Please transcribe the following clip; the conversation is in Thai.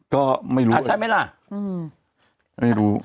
ก็ไม่รู้ละไม่รู้